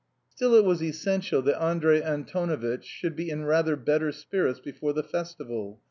Still it was essential that Andrey Antonovitch should be in rather better spirits before the festival.